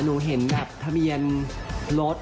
อุปกรณ์สวัสดีครับ